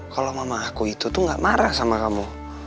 kalau mama aku itu tuh gak marah sama kamu